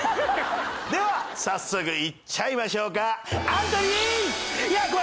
では早速いっちゃいましょうか。